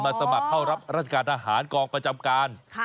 สมัครเข้ารับราชการทหารกองประจำการ